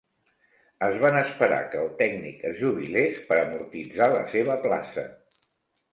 Es van esperar que el tècnic es jubilés per amortitzar la seva plaça.